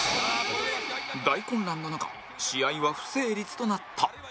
大混乱の中試合は不成立となった